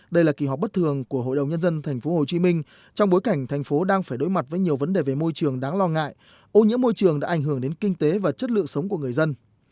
đây là kỳ họp bất thường của hội đồng nhân dân tp hcm trong bối cảnh thành phố đang phải đối mặt với nhiều vấn đề về môi trường đáng lo ngại ô nhiễm môi trường đã ảnh hưởng đến kinh tế và chất lượng sống của người dân